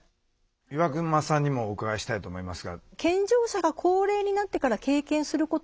岩隈さんにもお伺いしたいと思いますが。